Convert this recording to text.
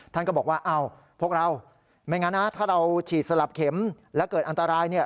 ท่านก็บอกว่าอ้าวพวกเราไม่งั้นนะถ้าเราฉีดสลับเข็มแล้วเกิดอันตรายเนี่ย